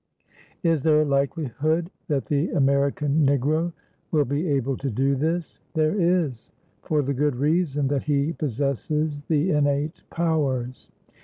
Is there likelihood that the American Negro will be able to do this? There is, for the good reason that he possesses the innate powers.